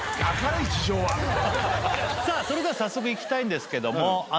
さあそれでは早速いきたいんですけども。